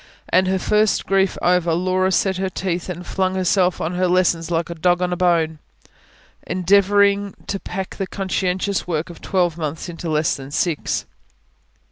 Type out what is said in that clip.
And her first grief over, Laura set her teeth and flung herself on her lessons like a dog on a bone, endeavouring to pack the conscientious work of twelve months into less than six.